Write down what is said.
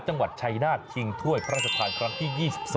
จังหวัดชัยนาธิงถ้วยพระราชทานครั้งที่๒๒